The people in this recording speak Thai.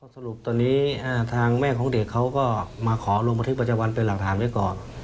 สรุปตอนนี้ทางแม่ของเด็กเขาก็มาขอลงบันทึกประจำวันเป็นหลักฐานไว้ก่อน